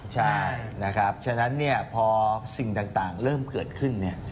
ใช่นะครับฉะนั้นพอสิ่งต่างเริ่มเกิดขึ้น